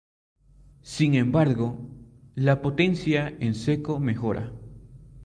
Sin embargo, la potencia en seco mejora.